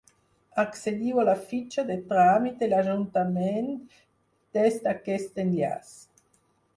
Accediu a la fitxa de tràmit de l'Ajuntament des d'aquest enllaç.